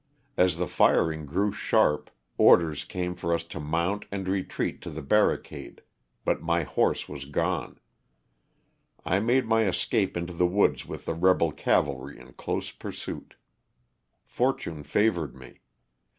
As the firing grew sharp orders came for us to mount and retreat to the barri cade, but my horse was gone. I made my escape into the woods with the rebel cavalry in close pursuit. Fortune favored me.